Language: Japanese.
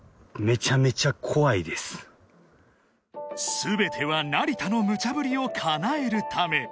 ［全ては成田のムチャぶりをかなえるため］